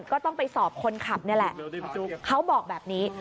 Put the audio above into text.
ก็ต้องไปสอบคนขับนี่แหละเขาบอกแบบนี้